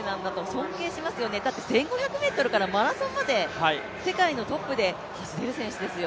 尊敬しますよね、だって１５００ｍからマラソンまで世界のトップで走れる選手ですよ。